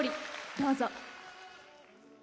どうぞ。